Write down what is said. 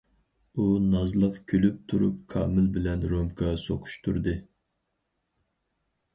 ئۇ نازلىق كۈلۈپ تۇرۇپ كامىل بىلەن رومكا سوقۇشتۇردى.